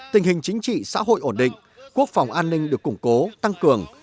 tình hình chính trị xã hội ổn định quốc phòng an ninh được củng cố tăng cường